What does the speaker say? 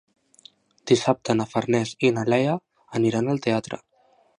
Dissabte na Farners i na Lea aniran al teatre.